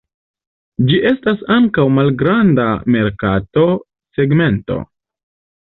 Ĝi estas ankaŭ malgranda merkato segmento.